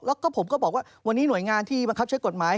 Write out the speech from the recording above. แล้วก็ผมก็บอกว่าวันนี้หน่วยงานที่บังคับใช้กฎหมาย